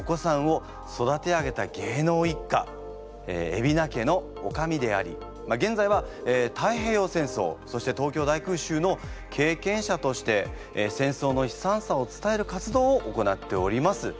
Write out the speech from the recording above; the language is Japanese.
海老名家のおかみであり現在は太平洋戦争そして東京大空襲の経験者として戦争の悲惨さを伝える活動を行っております。